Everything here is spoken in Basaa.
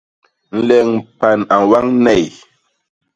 Nleñ mpan a ñwañ ney.